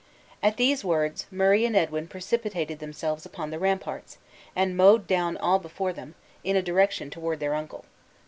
At these words, Murray and Edwin precipitated themselves upon the ramparts, and mowed down all before them, in a direction toward their uncle.